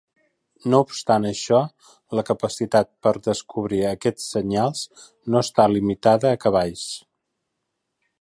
No obstant això, la capacitat per descobrir aquests senyals no està limitada a cavalls.